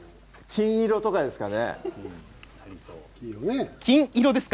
金色とかですか？